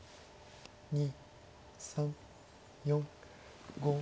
２３４５。